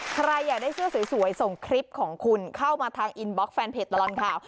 ใครอยากได้เสื้อสวยส่งคลิปของคุณเข้ามาทางอินบล็อกแฟนเพจตลอดข่าว